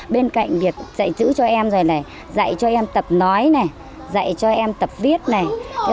bên cạnh việc dạy chữ cho em rồi này dạy cho em tập nói này dạy cho em tập viết này